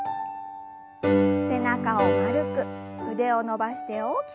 背中を丸く腕を伸ばして大きく後ろ。